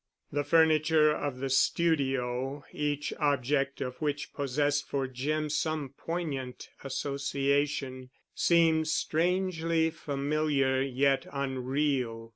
The furniture of the studio, each object of which possessed for Jim some poignant association, seemed strangely familiar, yet unreal.